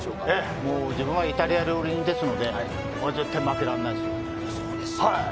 自分はイタリア料理人ですので絶対負けられないです。